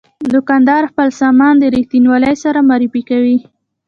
دوکاندار خپل سامان د رښتینولۍ سره معرفي کوي.